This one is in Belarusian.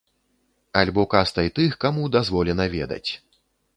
Альбо кастай тых, каму дазволена ведаць.